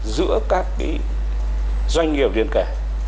giữa các cái doanh nghiệp liên kể